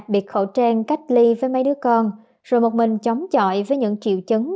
đi ở nhà biệt khẩu trang cách ly với mấy đứa con rồi một mình chóng chọi với những triệu chứng